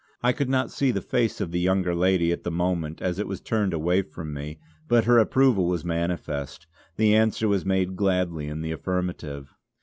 I could not see the face of the younger lady at the moment as it was turned away from me, but her approval was manifest; the answer was made gladly in the affirmative.